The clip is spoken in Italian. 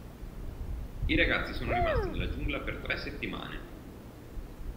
I ragazzi sono rimasti nella giungla per tre settimane.